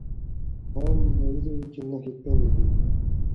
پوهاند ویلي وو چې نښې کمي دي.